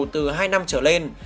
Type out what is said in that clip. từ hai năm trở lên